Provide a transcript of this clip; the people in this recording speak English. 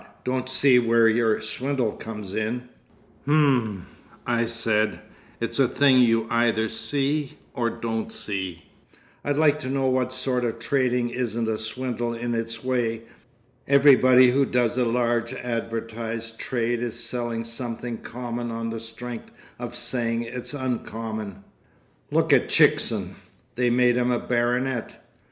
don't see where your swindle comes in." "H'm," I said. "It's a thing you either see or don't see." "I'd like to know what sort of trading isn't a swindle in its way. Everybody who does a large advertised trade is selling something common on the strength of saying it's uncommon. Look at Chickson—they made him a baronet.